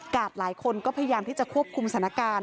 หลายคนก็พยายามที่จะควบคุมสถานการณ์